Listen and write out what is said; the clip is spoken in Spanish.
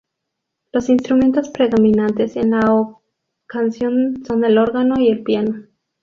Los instrumentos predominantes en la canción son el órgano y el piano.